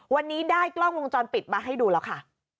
วันนี้ได้กล้องวงจรปิดมาให้ดูแล้วค่ะ